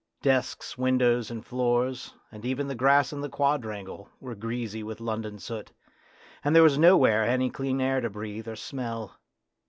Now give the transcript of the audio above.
Desks, windows, and floors, and even the grass in the quadrangle, were greasy with London soot, and there was nowhere any clean air to breathe or smell.